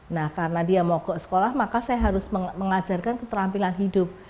nah karena dia mogok sekolah maka saya harus mengajarkan keterampilan hidup